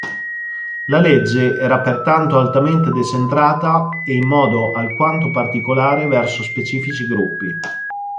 La legge era pertanto altamente decentrata e in modo alquanto particolare verso specifici gruppi.